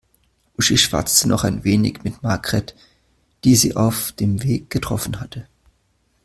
Uschi schwatzte noch ein wenig mit Margret, die sie auf dem Weg getroffen hatte.